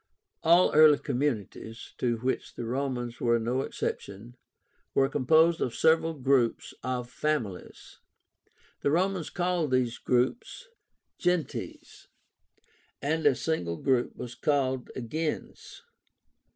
All early communities, to which the Romans were no exception, were composed of several groups of FAMILIES. The Romans called these groups GENTES, and a single group was called a GENS.